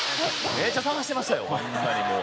めっちゃ探してましたよホンマにもう。